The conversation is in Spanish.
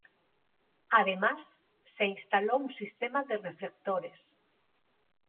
Además, se instaló un sistema de reflectores.